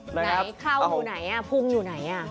ไหนเข้าอยู่ไหนภูมิอยู่ไหน